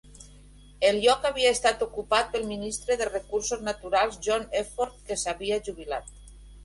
El lloc havia estat ocupat pel ministre de Recursos Naturals John Efford, que s'havia jubilat.